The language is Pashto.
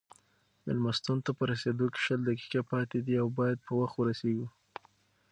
مېلمستون ته په رسېدو کې شل دقیقې پاتې دي او باید په وخت ورسېږو.